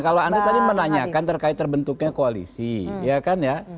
kalau anda tadi menanyakan terkait terbentuknya koalisi ya kan ya